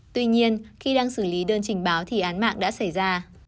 tuy nhiên khi đang xử lý đơn trình báo thì án mạng đã xảy ra